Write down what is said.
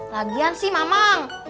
lagian sih mamang